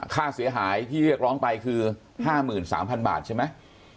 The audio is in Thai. ค่าเสียหายที่เรียกร้องไปคือ๕๓๐๐๐บาทใช่ไหม